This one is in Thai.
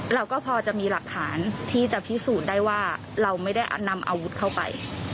เราก็พอจะมีหลักฐานที่จะพิสูจน์ได้ว่าเราไม่ได้นำอาวุธเข้าไป